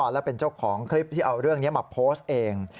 และเป็นเจ้าของคลิปที่เอาเรื่องนี้มาโพสต์เอง